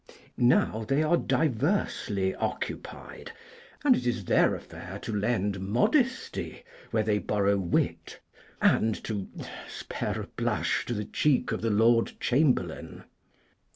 Now they are diversely occupied; and it is their affair to lend modesty where they borrow wit, and to spare a blush to the cheek of the Lord Chamberlain.